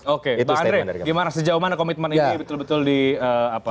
oke pak andre gimana sejauh mana komitmen ini betul betul dikomentasikan